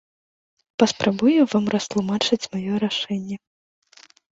Паспрабую вам растлумачыць маё рашэнне.